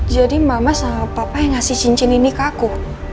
mama sama papa yang ngasih cincin ini ke aku